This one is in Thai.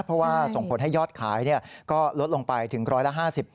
เพราะว่าส่งผลให้ยอดขายก็ลดลงไปถึง๑๕๐บาท